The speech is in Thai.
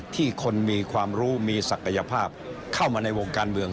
ที่คนมีความรู้มีศักยภาพเข้ามาในวงการเมือง